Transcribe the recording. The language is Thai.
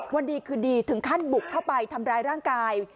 วันดีคืนดีถึงขั้นบุกเข้าไปทำร้ายร่างกาย